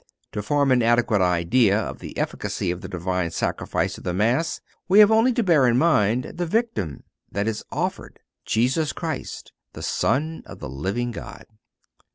To form an adequate idea of the efficiency of the Divine Sacrifice of the Mass we have only to bear in mind the Victim that is offered—Jesus Christ, the Son of the living God.